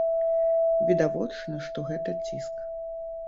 Відавочна, што гэта ціск.